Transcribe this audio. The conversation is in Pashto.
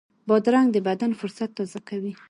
بادرنګ د بدن فُرصت تازه کوي.